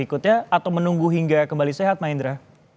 berikutnya atau menunggu hingga kembali sehat mahendra